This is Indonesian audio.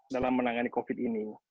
dalam menangani covid sembilan belas ini